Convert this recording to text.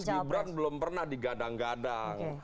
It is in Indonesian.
mas gibran belum pernah digadang gadang